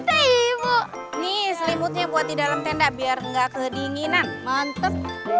waah ayo ibu nih selimutnya buat di dalam tenda biar nggak kedinginan mantep